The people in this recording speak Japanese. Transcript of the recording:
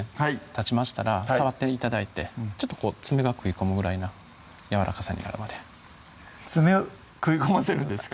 たちましたら触って頂いてちょっと爪が食い込むぐらいなやわらかさになるまで爪食い込ませるんですか？